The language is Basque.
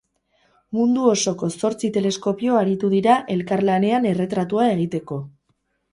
Mundu osoko zortzi teleskopio aritu dira elkarlanean erretratua egiteko.